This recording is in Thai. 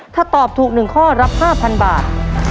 ถ้าตอบถูกหนึ่งข้อรับ๕๐๐๐บาท